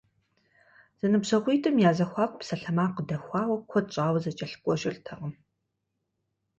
Зэныбжьэгъуитӏым я зэхуаку псалъэмакъ къыдэхуауэ, куэд щӏауэ зэкӏэлъыкӏуэжыртэкъым.